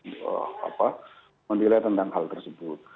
untuk menilai tentang hal tersebut